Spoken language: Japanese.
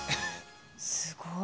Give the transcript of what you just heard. すごい。